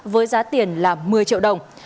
với giá tiền là một mươi triệu đồng